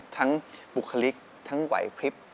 ทั้งปกคริกทั้งหยพลิก